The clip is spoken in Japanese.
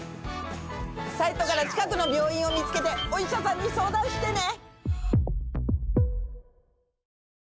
サイトから近くの病院を見つけてお医者さんに相談してね！